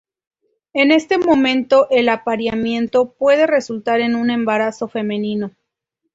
En este momento, el apareamiento puede resultar en un embarazo femenino.